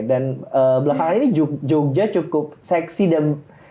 dan belakangan ini jogja cukup seksi dan